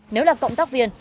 nếu là cộng tác viên